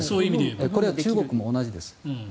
これは中国も同じです。